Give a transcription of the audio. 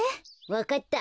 わかった。